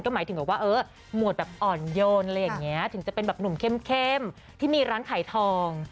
ก็หมายถึงว่าหมวดอ่อนโยนถึงจะเป็นนุ่มเข้มที่มีร้านขายทอง